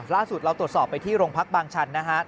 ล่าสุดเราตรวจสอบไปที่โรงพักบางชันนะครับ